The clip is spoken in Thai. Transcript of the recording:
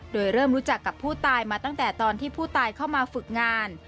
โดยเริ่มรู้จักกับผู้ตายมาตั้งแต่ตอนที่ผู้ตายเข้ามาฝึกงาน